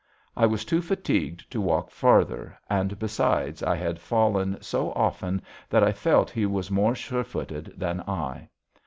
I was too fatigued to walk farther, and, besides, I had fallen so often that I felt he was more sure footed than I.